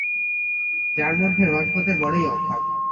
যার মধ্যে রসবোধের বড়োই অভাব।